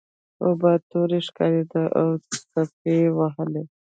اوبه تورې ښکاریدې او څپه وهلې.